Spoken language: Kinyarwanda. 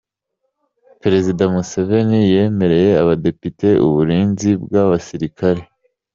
Perezida Museveni yemereye abadepite uburinzi bw’abasirikare.